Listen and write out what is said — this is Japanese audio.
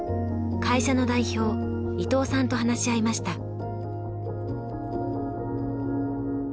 会社の代表伊東さんと話し合いました。